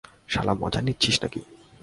শালা মজা নিচ্ছিস নাকি।